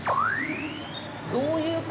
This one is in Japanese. どういう事？